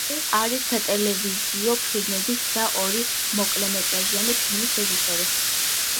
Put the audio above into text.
არის სატელევიზიო ფილმების და ორი მოკლემეტრაჟიანი ფილმის რეჟისორი.